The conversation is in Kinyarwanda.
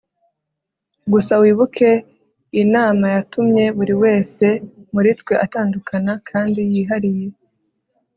gusa wibuke imana yatumye buri wese muri twe atandukana kandi yihariye